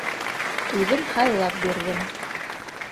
— Үҙем һайлап бирҙем.